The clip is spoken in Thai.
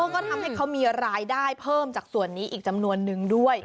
ก็ทำให้เขามีรายได้เพิ่มจากส่วนนี้อีกจำนวนนึงด้วย